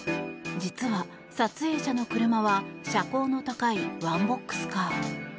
実は撮影者の車は車高の高いワンボックスカー。